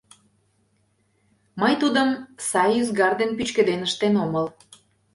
— Мый тудым сай ӱзгар дене пӱчкеден ыштен омыл.